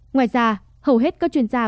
ngoài ra hầu hết các chuyên gia